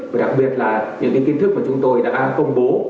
và đặc biệt là những kiến thức mà chúng tôi đã công bố